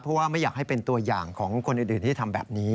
เพราะว่าไม่อยากให้เป็นตัวอย่างของคนอื่นที่ทำแบบนี้